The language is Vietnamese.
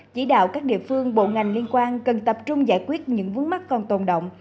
chỉ đạo các địa phương bộ ngành liên quan cần tập trung giải quyết những vướng mắt còn tồn động